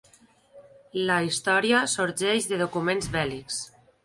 La història sorgeix de documents bèl·lics.